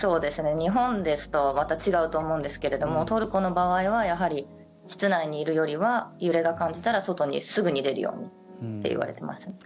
日本ですと、また違うと思うんですけれどもトルコの場合はやはり、室内にいるよりは揺れが感じたら外にすぐに出るようにって言われてます。